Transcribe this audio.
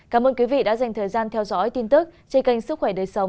cảm ơn quý vị đã dành thời gian theo dõi tin tức trên kênh sức khỏe đời sống